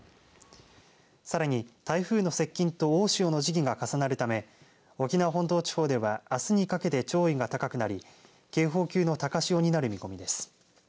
さらに台風の接近と大潮の時期が重なるため沖縄本島地方ではあすにかけて潮位が高くなり警報級の高潮になる見込みです。